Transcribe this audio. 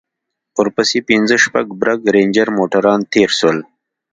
ورپسې پنځه شپږ برگ رېنجر موټران تېر سول.